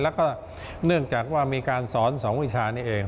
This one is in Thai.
แล้วก็เนื่องจากว่ามีการสอน๒วิชานี้เอง